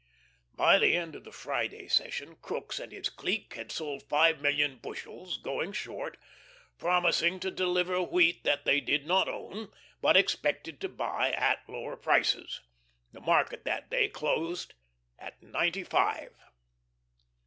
By the end of the Friday session, Crookes and his clique had sold five million bushels, "going short," promising to deliver wheat that they did not own, but expected to buy at low prices. The market that day closed at ninety five.